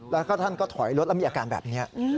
แล้วก็ท่านก็ถอยรถแล้วมีอาการแบบนี้